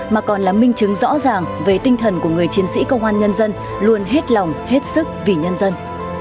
mà còn là minh chứng rõ ràng về tinh thần của người chiến sĩ công an nhân dân luôn hết lòng hết sức vì nhân dân